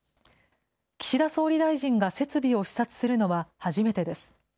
岸田総理大臣が設備を視察するのは初めてです。